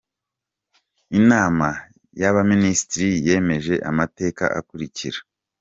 Inama y’Abaminisitiri yemeje amateka akurikira :.